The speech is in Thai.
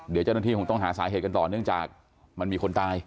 เดี๋ยวเจ้าหน้าที่คงต้องหาสาเหตุกันต่อเนื่องจากมันมีคนตาย